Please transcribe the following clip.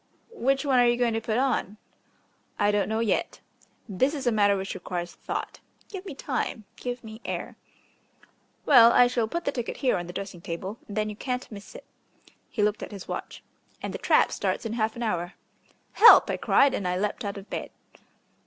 "Which one are you going to put on?" "I don't know yet. This is a matter which requires thought. Give me time, give me air." "Well, I shall put the ticket here on the dressing table, and then you can't miss it." He looked at his watch. "And the trap starts in half an hour." "Help!" I cried, and I leapt out of bed.